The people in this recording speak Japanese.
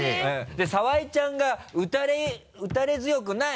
澤井ちゃんが打たれ強くない。